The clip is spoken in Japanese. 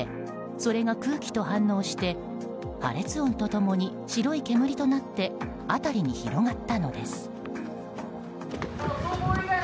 それが空気と反応して破裂音と共に白い煙となって辺りに広がったのです。